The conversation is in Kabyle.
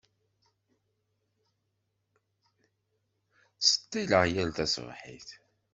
Tṣeṭṭileɣ yal taṣebḥit.